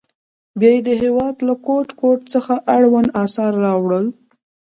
بیا یې د هېواد له ګوټ ګوټ څخه اړوند اثار راوړل.